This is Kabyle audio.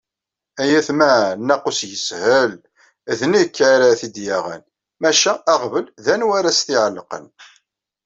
"Ay ayetma, naqqus yeshel, d nekk ara t-id-yaɣen, maca aɣbel d anwa ad as-t-iεellqen."